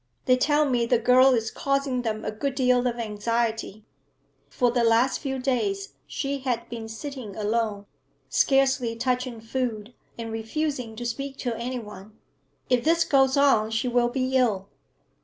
'They tell me the girl is causing them a good deal of anxiety. For the last few days she has been sitting alone, scarcely touching food, and refusing to speak to anyone. If this goes on she will be ill.'